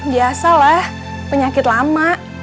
biasalah penyakit lama